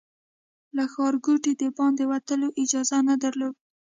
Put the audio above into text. له ښارګوټي د باندې وتلو اجازه نه درلوده.